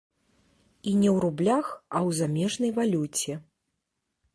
І не ў рублях, а ў замежнай валюце.